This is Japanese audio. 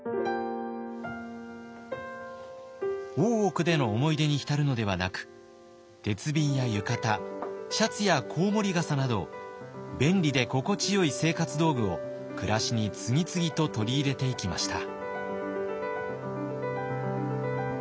大奥での思い出に浸るのではなく鉄瓶や浴衣シャツやこうもり傘など便利で心地よい生活道具を暮らしに次々と取り入れていきました。